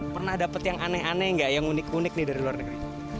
pernah dapat yang aneh aneh nggak yang unik unik nih dari luar negeri